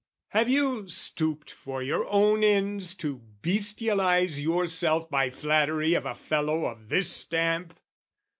Have you stooped For your own ends to bestialise yourself By flattery of a fellow of this stamp?